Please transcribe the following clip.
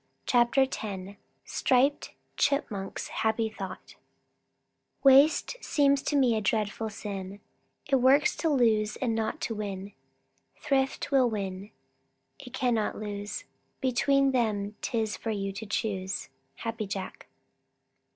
CHAPTER X STRIPED CHIPMUNK'S HAPPY THOUGHT Waste seems to me a dreadful sin; It works to lose and not to win. Thrift will win; it cannot lose. Between them 'tis for you to choose. _Happy Jack.